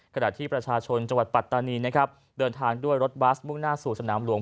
ขณะที่ประชาชนจังหวัดปัตตานีนะครับเดินทางด้วยรถบัสมุ่งหน้าสู่สนามหลวง